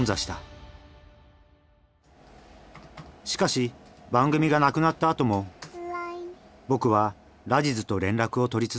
しかし番組がなくなったあとも僕はラジズと連絡を取り続けた。